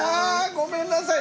ごめんなさい。